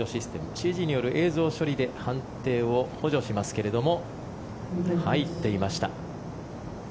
ＣＧによる映像処理で判定を補助しますけれども入っていました。